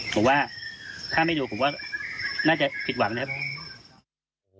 ผมว่าถ้าไม่ดูผมก็น่าจะผิดหวังนะครับ